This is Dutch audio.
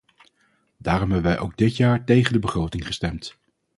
Daarom hebben wij ook dit jaar tegen de begroting gestemd.